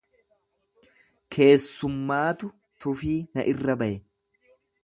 Keessummaatu tufii na irra baye.